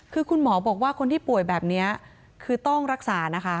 คือคุณหมอบอกว่าคนที่ป่วยแบบนี้คือต้องรักษานะคะ